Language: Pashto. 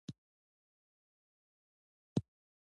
د غنمو کښت بزګرانو ته عاید ورکوي.